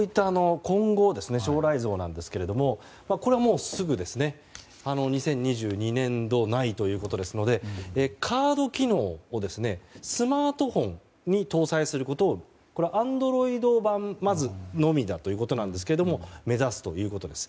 今後の将来像ですがこれはもうすぐ２０２２年度内ということですのでカード機能をスマートフォンに搭載することをまずアンドロイド版のみ目指すということです。